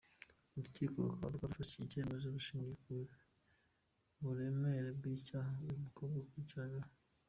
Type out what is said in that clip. Urukiko rukaba rwafashe iki cyemezo rushingiye ku buremere bw’icyaha uyu mukobwa akurikiranyweho.